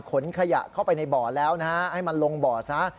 ขนขยะเข้าไปในบ่อแล้วนะฮะให้มันลงบ่อซะ